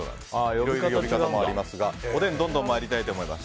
いろいろ呼び方がありますがおでんどんどん参りたいと思います。